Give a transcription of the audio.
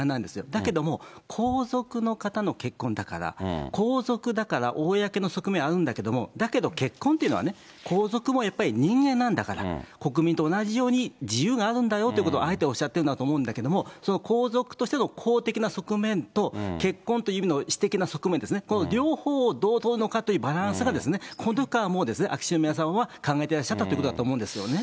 だけども、皇族の方の結婚だから、皇族だから公の側面あるんだけれども、だけど結婚っていうのはね、皇族もやっぱり人間なんだから、国民と同じように自由があるんだよということをあえておっしゃってるんだと思うんだけど、その皇族としての公的な側面と、結婚という意味で私的な側面ですね、この両方をどう取るのかというバランスがですね、このときからもう、秋篠宮さまは考えてらっしゃったということだと思うんですよね。